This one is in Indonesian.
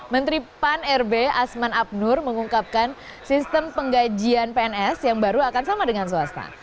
menteri pan rb asman abnur mengungkapkan sistem penggajian pns yang baru akan sama dengan swasta